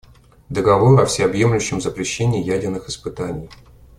Договор о всеобъемлющем запрещении ядерных испытаний.